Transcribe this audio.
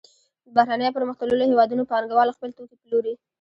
د بهرنیو پرمختللو هېوادونو پانګوال خپل توکي پلوري